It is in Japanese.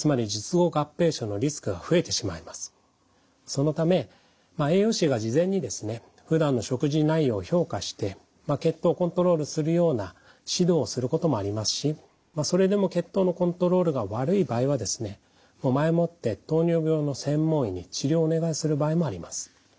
そのため栄養士が事前にふだんの食事内容を評価して血糖コントロールするような指導をすることもありますしそれでも血糖のコントロールが悪い場合は前もって糖尿病の専門医に治療をお願いする場合もあります。